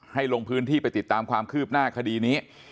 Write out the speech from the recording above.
ลงพื้นที่ไปติดตามความคืบหน้าคดีนี้